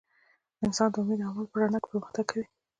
انسان د امید او عمل په رڼا کې پرمختګ کوي.